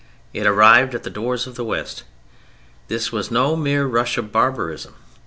It arrived at the doors of the West. This was no mere rush of barbarism.